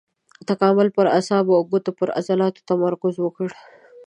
تکامل پر اعصابو او د ګوتو پر عضلاتو تمرکز وکړ.